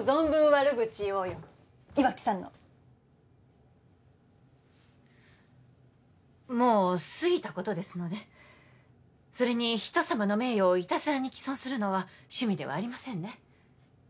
存分悪口言おうよ岩城さんのもうすぎたことですのでそれに人様の名誉をいたずらに毀損するのは趣味ではありませんね